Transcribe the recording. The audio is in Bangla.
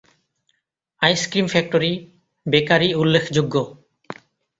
আইসক্রিম ফ্যাক্টরি, বেকারি, উল্লেখযোগ্য।